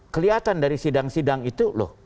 kelihatan dari sidang sidang itu loh